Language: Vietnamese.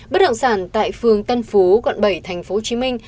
bất động sản tại phường tân phú quận bảy tp hcm